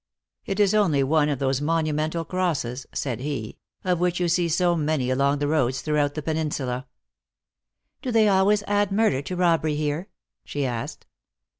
" It is only one of those monumental crosses," said he, " of which you see so many along the roads throughout the peninsula." "Do they always add murder to robbery here ?" she asked.